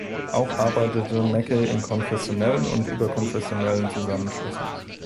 Auch arbeitete Mackey in konfessionellen und überkonfessionellen Zusammenschlüssen.